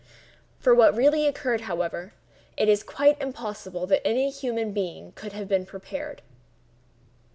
For what really occurred, however, it is quite impossible that any human being could have been prepared.